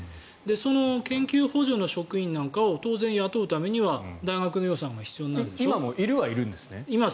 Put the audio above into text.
その研究補助の職員なんかを当然雇うためには大学の予算が必要になるんでしょ？